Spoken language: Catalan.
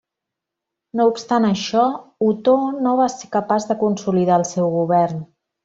No obstant això, Otó no va ser capaç de consolidar el seu govern.